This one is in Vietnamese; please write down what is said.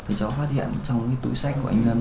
thì cháu phát hiện trong túi xách của anh lâm